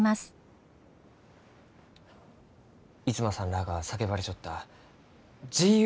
逸馬さんらあが叫ばれちょった「自由」